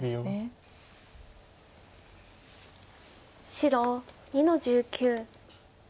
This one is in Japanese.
白２の十九。